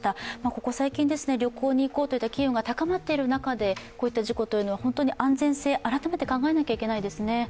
ここ最近、旅行に行こうという機運が高まっている中で、こういった事故というのは本当に安全性、改めて考えなきゃいけないですね。